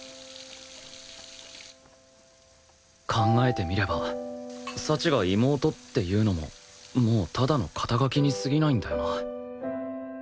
考えてみれば幸が妹っていうのももうただの肩書にすぎないんだよな